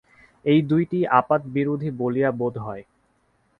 এই দুইটি আপাতবিরোধী বলিয়া বোধ হয়।